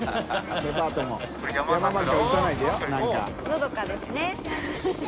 のどかですね。